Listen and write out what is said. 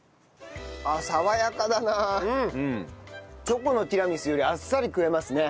チョコのティラミスよりあっさり食えますね。